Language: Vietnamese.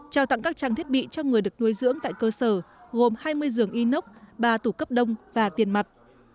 trao tặng các trang thiết bị cho người được nuôi dưỡng tại cơ sở gồm hai mươi giường inox ba tủ cấp đông và tiền mặt